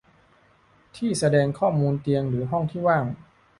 ที่แสดงข้อมูลเตียงหรือห้องที่ว่าง